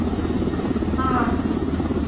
末端跨越牛稠溪接万丹乡大昌路至社皮。